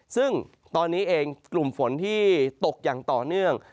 ซึ่งตอนนี้เองกลุ่มฝนที่ตกอย่างต่อเนื่อง